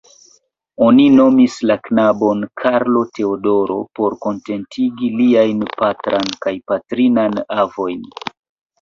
Oni nomis la knabon Karlo-Teodoro por kontentigi liajn patran kaj patrinan avojn.